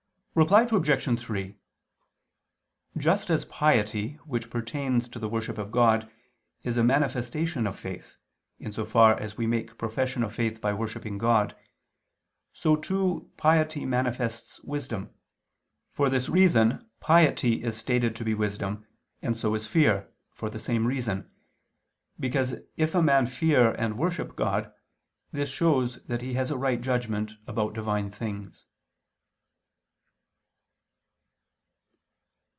Reply Obj. 3: Just as piety which pertains to the worship of God is a manifestation of faith, in so far as we make profession of faith by worshipping God, so too, piety manifests wisdom. For this reason piety is stated to be wisdom, and so is fear, for the same reason, because if a man fear and worship God, this shows that he has a right judgment about Divine things.